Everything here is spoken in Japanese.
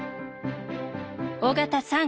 尾形さん